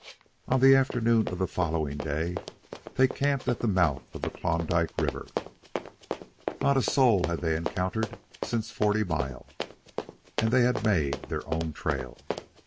On the afternoon of the following day they camped at the mouth of the Klondike River. Not a soul had they encountered since Forty Mile, and they had made their own trail.